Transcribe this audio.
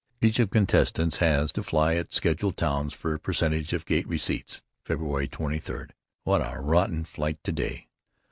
Each of contestants has to fly at scheduled towns for percentage of gate receipts. Feb. 23: What a rotten flight to day.